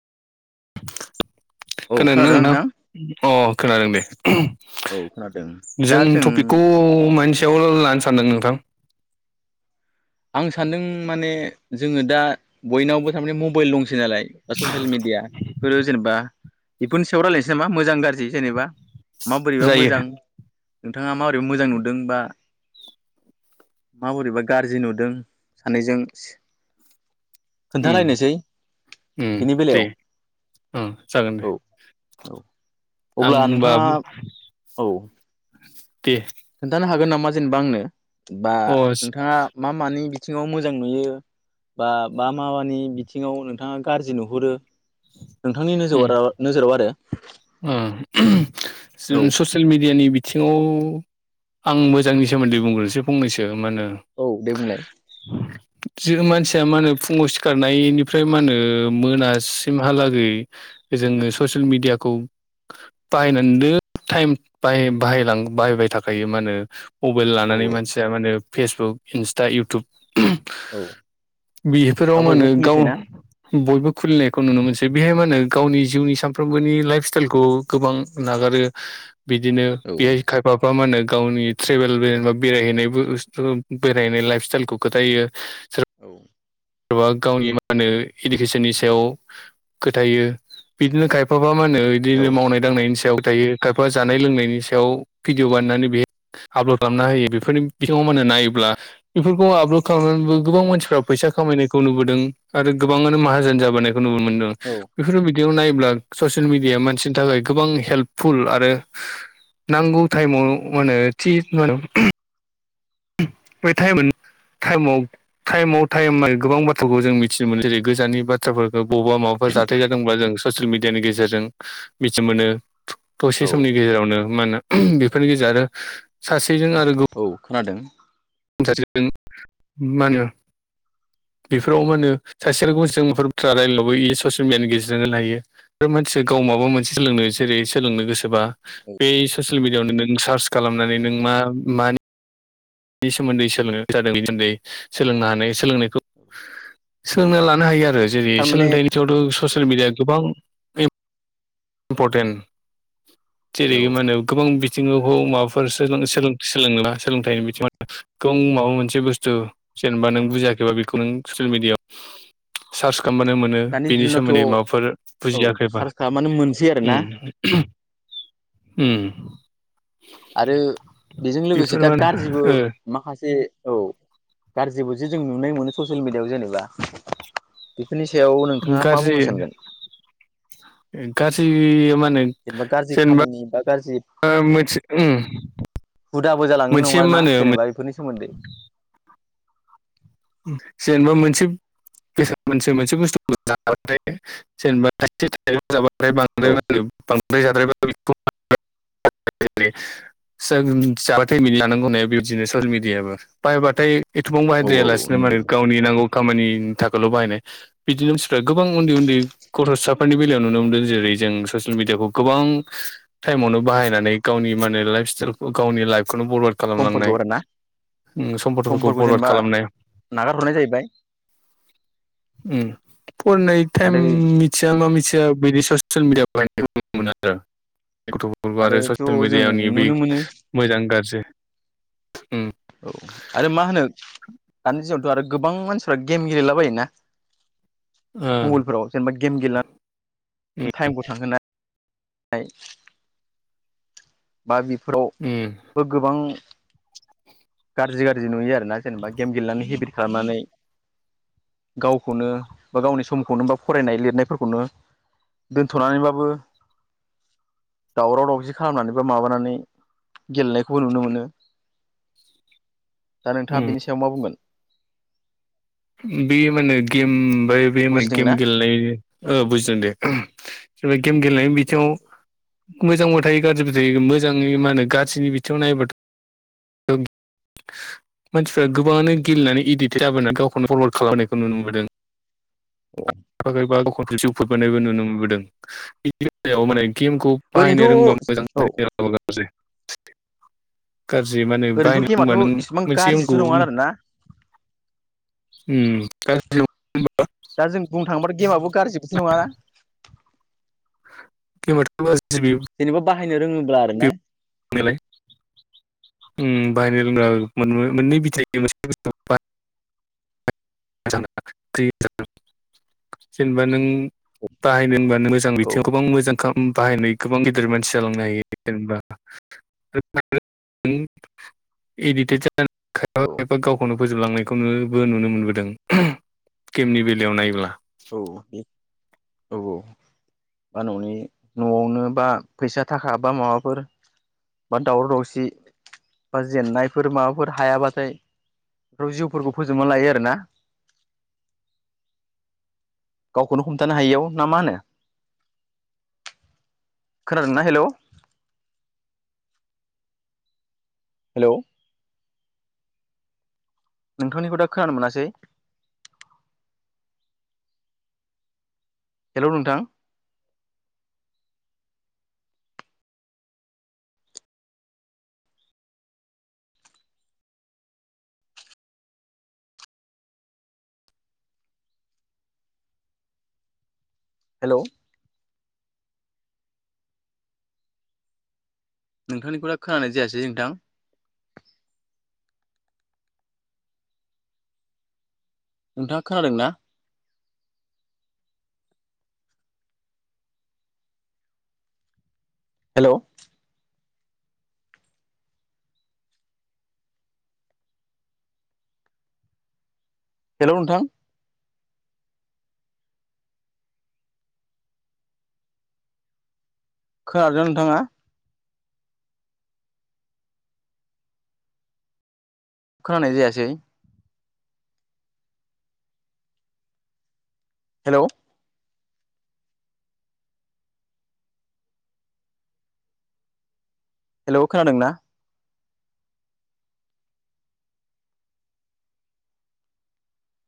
औ खोनादोंना खोनादों नोंथां अ खोनादों दे औ खोनादों दा जों टपिकखौ मोनानसेयाव लानो सानदों नोंथां आं सानदों माने जोङो दा बयनावबो थारमाने मबाइल दं नालाय बा ससियेल मिडिया बेफोरो जेनेबा बेफोरनि सायाव रायजलायनोसै नामा मोजां गाज्रि जेनेबा माबोरैबा जायो मोजां नोंथाङा माबोरैबा मोजां नुदों बा माबोरैबा गाज्रि नुदों सानैजों उम खोन्थालायनोसै बेनि दे बेलायाव उम जागोन दे औ औ आं अब्ला नोंथाङा बाबु औ खोन्थानो हागोन नामा जेनेबा आंनो बा अ उम नोंथाङा मा मानि बिथिङाव मोजां नुयो बा मा म मानि बिथिङाव नोंथाङा गाज्रि नुहुरो नोंथांनि नोजोर नोजोराव आरो ओ ज ससियेल मिेडियानि बिथिङाव आं मोजांनि सोमोन्दै बुंग्रोनसै फंनैसो मा होनो औ दे बुंलाय मानसिया मा होनो फुङाव सिखारनायनिफ्राय मा होनो मोनास सिमहालागै जोङो ससियेल मिडियाखौ बाहायनानै दो टाइम ब बाहाय बाहायबाय थाखायो मा होनो मबाइल औ लानानै मानसिया माने फेसबुक इन्स्टा इउटुब औ दा बेफोराव मा बयबो होनो गाव खुलिसैना बयबो खुलिनाय खौ नुनो मोनसै बेहाय मा होनो गावनि जिउनि सानफ्रामबोनि लाइफ स्टाइलखौ गोबां नागारो बिदिनो औ बेहाय खायफाफ्रा मा होनो गावनि ट्रेभेलबा बेरायहैनायबो बेरायहैनाय लाइफ स्टाइलखौ खोथायो औ सोरबा गावनि मा होनो इडुकेसननि सायाव फोथायो बिदिनो खायफा माबा मा होनो औ बिदिनो मावनाय दांनायनि सायाव थायो खायफा जानाय लोंनायनि सायाव भिडिअ बानायनानै बेहाय आपल'ड खालामना होयो बेफोरनि बिथांमोन नायोब्ला बेफोरखौ आप्ल'ड खालामनानैबो गोबां मानसिफ्रा फैसा खामायनायखौ नुबोदों आरो गोबाङानो माहाजोन जाबोनायखौ नुनो मोनदों औ बेफोर बि दियाव नायोबब्ला ससियेल मिडिया मानसिनि थाखाय गोबां हेल्पफुल आरो नांगौ टाइमाव माने थि मा बै टाइमोन टाइमाव टाइमाव टाइम गोबां बाथ्राखौ जों मिथिनो मोनो जेरै गोजाननि बाथ्राफोरखौ बबा माबाफोर जाथाय जादोंब्ला जों ससियेल मिडियानि गेजेरजों मिथि मोनो दसे औ समनि गेजेरावनो मा होनो बेफोरनि गेजेर आरो सासेजों आरो गो औ खोनादों सासेजों मा होनो [inaudible] बेफोराव मा होन सासेल' गावसोरजों फोर रायलायला बायो ससियेल मिडियानि गेजेरजों लायो मानसि गाव माबा मोनसे सोलोंनो जेरै सोलोंनो गोसोबा औ बे ससिल मिडियावनो नों सार्च खालामनानै नों मा - मानि बे सोमोन्दै सोलों जादों सोमोन्दै सोलोंनो हानाय सोलोंनाय [inaudible] सोलोंना लानो हायो आरो जेरै थारमाने सोलोंथाइनि सायावथ' ससियेल मिडिया गोबां इम्परटेन्ट जेरै औ मा होनो गोबां बि थिङावखौ माबाफोर सोलों-सोलों-सोलोंना सोलोंथाइनि बिथिङाव गोबां माबा मोनसे बुस्थु जेनेबा नों बुजियाखैबा बेखौ नों ससियेल मिडियाआव सार्च खालामबानो मोनो दानि बेनि दिनावथ' सोमोन्दै माबाफोर औ बुजियाखैबा सार्च खालामबानो मोनसै आरो ना उम -उम आरो बेजों लोगोसे बेफोर दा मा होनो गारजिबो ओ माखासे औ गारजिबो जे जों नुनाय मोनो ससियेल मिडियाव जेनेबा फोनि सायाव नोंथाङा मा गाज्रि बुंनो सानगोन गाज्रि मा होनो जेनेबा गाज्रि जेनेबा खामानि बा गाज्रि मोनसे उम हुदाबो जालांनो मोनसे नङा मा ना होनो जेनेबा बेफोरनि सोमोन्दै जेनेबा मोनसे [unintelligible] मोनसे मोनसे बुस्थु [unintelligible] जेनेबा [unintelligible] जाबाय ओमफ्राय औ बांद्राय - बांद्राय जाद्रायबाय [inaudible] [unintelligible] सोम जाबाथाय बिनि लानांगौ नेव बिदिनो ससियेल मिडियाबो बाहबाथाय एथ'बां औ औ औ बाहायद्रायालासिनो माने नंगौ गावनि नांगौ खामानिनि थाखायल' बाहायनाय बिदिनो मानसिफ्रा गोबां उन्दै- उन्दै गथ'साफोरनि बेलायाव नुनो मोनदों जेरै जों ससियेल मिडियाखौ गोबां टाइमावनो बायनानै गावनि माने लाइफ स्टाइलखौ गावनि लाइफ खौनो बरबाड खालामलांनाय समफोरखौ आरोना उम सम्पदफोरखौ बरबाड खालामनाय नागार हरनाय जाहैबाय उम फरायनाय टाइम आरो मिथिया मा मिथिया बिदि ससियेल मिडिया बा हायनायखो नुनो मोनो आरो [unintelligible] आरो आरोथ' ससियेल जों मिडियानि बि नुनो मोनो मोजां गाज्रि उम औ आरो मा होनो दानि थ' आरो गोबां मानसिफ गेम गेलेला बायो ना उम जेनेबा गेम गेला टाइमखौ थांहोना [unintelligible] बा बेफोराव उम बो गोबां गारजि - गारजि नुयो आरोना जेनेबा गेम गेलेनानै हेबिट खालामनानै गावखौनो बा गावनि समखौनो बा फरायनाय लिरनायफोरखौनो दोनथ'नानैबाबो दावराव- दावसि खालामनानैबा माबानानै गेलेनायखौबो नुनो मोनो दा नोंथाङा बेनि सायाव मा बुंगोन बेयो माने गेम फाय बे मा गेम बुजिदोंना गेलेनायनि‌ ओ औ बुजिदों दे गेम गेलेनायनि बिथिङाव मोजांबो थायो गाज्रिबो थायो मोजाङै मा होनो गाज्रिनि बिथिङाव नायोबाथ' औ मानसिफ्रा गोबाङानो गेलेनानै इडिटेड जाबोना गावखौनो फरवार्ड खालामनायखौ नुनो मोनदों औ थागोरबा गावखौ जिउ फोबबोनायबो नुनो मोनबोदों बेनि बेलायाव माने गेमखौ बायनो रोंबा मोजां ओरैनोथ' औ रोङाबा गाज्रि गाज्रि माने बाहायनो ओरैनोथ' गेमाथ' रोंबा नों इसिबां मोनसे गाज्रिथ' गेमखौ नङा उम आरोना गाज्रि नङा होमबा थांबाथ' गेमाबो गाज्रिबोथ' नङा ना गेमाथ' गाज्रि बेबो जेनेबा बाहायनो रोङोब्ला आरो ना। नेलाय। उम बाहायनो रोंबा मोन मोननै बिथाय मोनसे मोसे बा [unintelligible] बाहायनो होनबानो मोजां औ बिथिङाव गोबां मोजां खा बाहायनाय गोबां गिदिर मानसि जालांनो हायो जेनेबा ओं इडिटेथ जाना‌ खायफा औ खायफा गावखौनो फोजोबलांनायखौनोबो नुनो मोनबोदों गेमनि बेलायाव नाय्ला औ औ बा न'नि न'आवनो बा फैसा थाखा बा माबाफोर बा दावराव दावसि बा जेननायफोर माबाफोर हायाबाथाय फ्राव जिउफोरखौ फोजोबना लायो आरो ना गावखौनो हमथानो हायियाव ना मा होनो खोनादोंना हेलौ हेलौ नोंथांनिखौ दा खोनानो मोनासै हेलौ‌ नोंथां हेलौ नोंथांनिखौल खोनानाय जायासै नोंथां नोंथाङा खोनादों ना हेलौ हेलौ नोंथां खोनादों नोंथाङा खोनानाय जायासै। हेलौ। हेलौ खोनादों ना